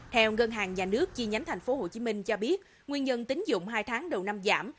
theo ngân hàng nhà nước chi nhánh tp hcm cho biết nguyên nhân tính dụng hai tháng đầu năm giảm